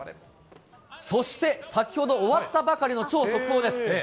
そして先ほど終わったばかりの超速報です。